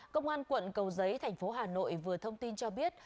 công an quận cầu giấy thành phố hà nội vừa thông tin cho biết